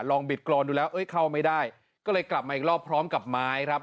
บิดกรอนดูแล้วเอ้ยเข้าไม่ได้ก็เลยกลับมาอีกรอบพร้อมกับไม้ครับ